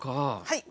はい。